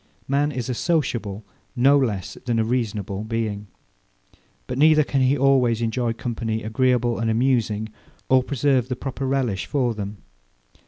Man is a sociable, no less than a reasonable being: But neither can he always enjoy company agreeable and amusing, or preserve the proper relish for them.